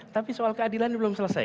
tapi soal keadilan belum selesai